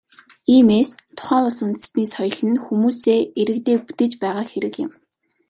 Иймээс, тухайн улс үндэстний соёл нь хүмүүсээ, иргэдээ бүтээж байгаа хэрэг юм.